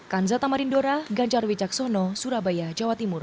kanza tamarindora ganjar wijaksono surabaya jawa timur